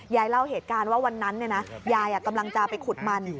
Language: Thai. ยายเล่าเหตุการณ์ว่าวันนั้นยายกำลังจะไปขุดมัน